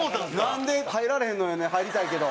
なんで入られへんのよね入りたいけど。